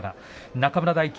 中村泰輝